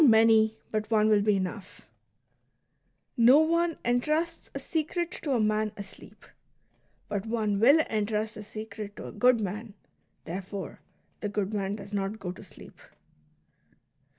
many, but one will be enough :" No one entrusts a secret to a man asleep ; but one will entrust a secret to a good man ; therefore, the good man does not go to sleep."